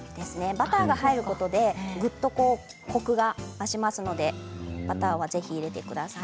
バターが入ることでぐっとコクが増しますのでバターは、ぜひ入れてください。